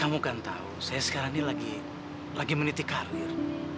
kamu kan tahu saya sekarang ini lagi menitik karir